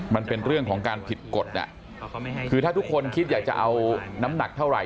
มันเป็นเรื่องของการผิดกฎคือถ้าทุกคนคิดอยากจะเอาน้ำหนักเท่าไหร่